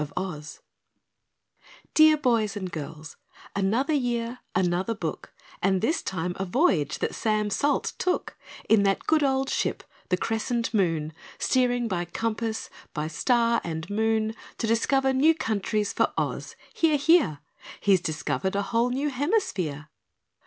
Dear Boys and Girls: Another year Another book, And this time a voyage That Sam Salt took In that good old Ship, The Crescent Moon Steering by compass, By star and moon, To discover new countries For OZ. Hear! Hear! He's discovered a whole New Hemisphere!